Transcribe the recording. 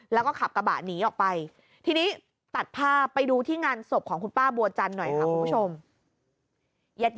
แล้วก็ขับกระบะหนีออกไปทีนี้ตัดภาพไปดูที่งานศพของคุณป้าบัวจันทร์หน่อยค่ะคุณผู้ชม